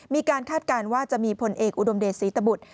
มีการคาดการณ์ว่าจะมีพลเอกอุดมเดชสีตบุธ